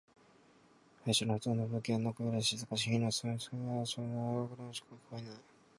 林のほとんどは不気味なくらい静か。木々のざわめきや、虫の音、鳥の鳴き声くらいしか聞こえない。